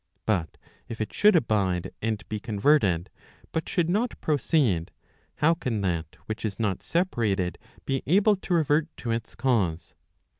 But if it should abide and be converted, but should hot proceed, how can that which is not' separated be able to revert to its cause